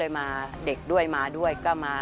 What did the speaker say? ทำไมเราต้องเป็นแบบเสียเงินอะไรขนาดนี้เวรกรรมอะไรนักหนา